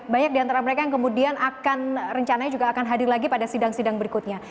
banyak diantara mereka yang kemudian akan rencananya juga akan hadir lagi pada sidang sidang berikutnya